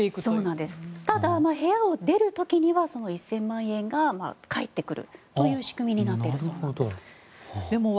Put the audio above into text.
ただ部屋を出る時には１０００万円が返ってくるという仕組みになっているそうです。